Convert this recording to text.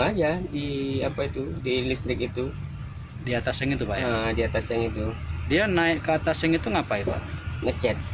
aja di apa itu di listrik itu di atasnya juga di atasnya itu dia naik ke atasnya itu ngapain